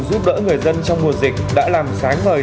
nhiều người dân trong mùa dịch đã làm sáng mời